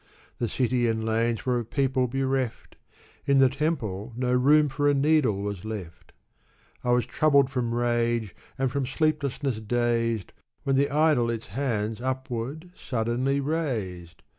The city and lanes were of people bereft ; In the temple, no room for a needle was left, I was troubled from rage and from sleeplessness dazed, When the idol its hands upward, suddenly, raised.